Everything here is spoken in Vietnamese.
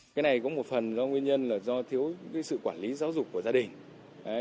cái này có một phần do nguyên nhân là do thiếu sự quản lý giáo dục của gia đình